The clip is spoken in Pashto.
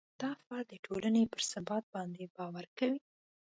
دا فرد د ټولنې پر ثبات باندې باوري کوي.